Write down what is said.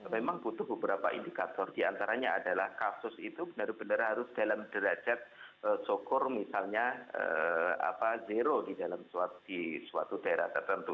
memang butuh beberapa indikator diantaranya adalah kasus itu benar benar harus dalam derajat sokor misalnya zero di dalam suatu daerah tertentu